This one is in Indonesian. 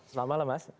selamat malam mas